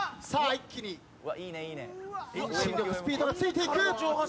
一気に遠心力スピードがついていく！